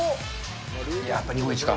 やっぱり日本一か。